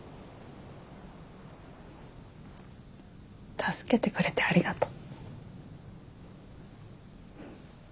助けてくれてありがとう。